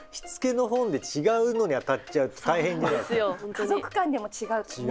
家族間でも違うしね。